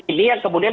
ini yang kemudian